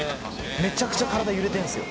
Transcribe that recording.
めちゃくちゃ体揺れてんすよ。